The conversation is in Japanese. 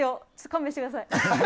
勘弁してください。